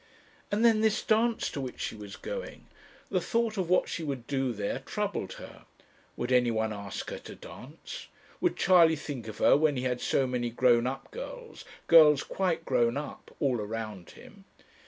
And then this dance to which she was going! The thought of what she would do there troubled her. Would anyone ask her to dance? Would Charley think of her when he had so many grown up girls, girls quite grown up, all around him?